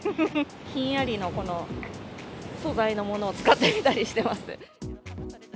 ひんやりのこの素材のものを使ってみたりしています。